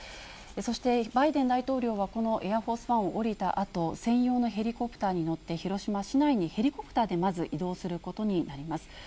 そして、バイデン大統領はこのエアフォースワンを降りたあと、専用のヘリコプターに乗って、広島市内に、ヘリコプターでまず移動することになります。